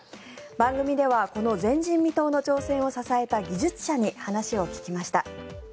番組ではこの前人未到の挑戦を支えた技術者に話を聞きました。